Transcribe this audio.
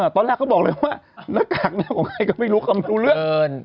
ตอนแรกเขาบอกเลยว่าหน้ากากผมให้ก็ไม่รู้คำรู้เรื่อง